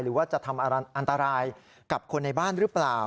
หรือว่าจะทำอันตรายกับคนในบ้านหรือเปล่า